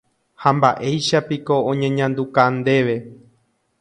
Ha mba'éichapiko oñeñanduka ndéve.